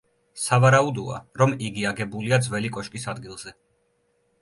სავარაუდოა, რომ იგი აგებულია ძველი კოშკის ადგილზე.